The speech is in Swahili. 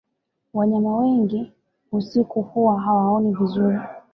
wanyama wengi usiku huwa hawaoni vizuri